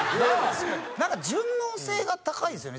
なんか順応性が高いんですよね